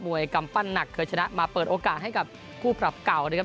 ยกำปั้นหนักเคยชนะมาเปิดโอกาสให้กับคู่ปรับเก่านะครับ